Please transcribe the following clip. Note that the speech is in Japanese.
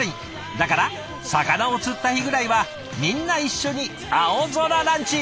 だから魚を釣った日ぐらいはみんな一緒に青空ランチ。